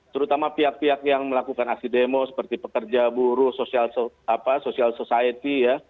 terutama pihak pihak yang melakukan aksi demo seperti pekerja buruh social society ya